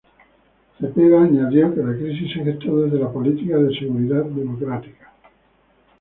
Cepeda añadió que la crisis se gestó desde la Política de Seguridad Democrática.